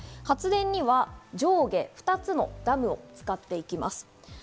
発電には上下２つのダムを使っていきます。